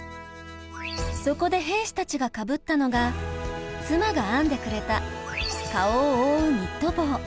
そこで兵士たちがかぶったのが妻が編んでくれた顔を覆うニット帽。